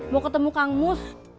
mau ketemu kamus